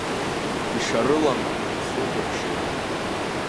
Ишарылама сукәыхшеит?